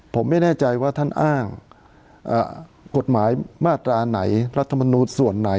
ผมไม่แน่ใจว่าท่านอ้างกฎหมายมาตราไหนรัฐมนูลส่วนไหน